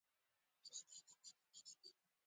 دا طبقه باید پنځه ویشت سلنه رطوبت ولري